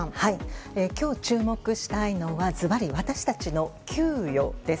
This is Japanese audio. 今日、注目したいのはずばり私たちの給与です。